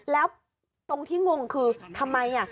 แล้วตรงที่งงคือทำไม